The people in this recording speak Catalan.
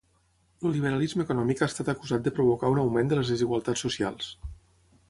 El liberalisme econòmic ha estat acusat de provocar un augment de les desigualtats socials.